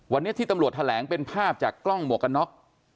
วันนี้ที่ตำรวจแถลงเป็นภาพจากกล้องหมวกกันน็อก